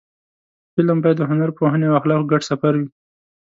فلم باید د هنر، پوهنې او اخلاقو ګډ سفر وي